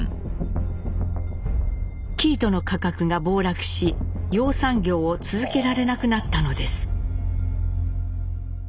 生糸の価格が暴落し養蚕業を続けられなくなったのです。